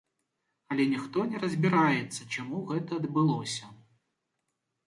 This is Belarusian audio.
Але ніхто не разбіраецца, чаму гэта адбылося.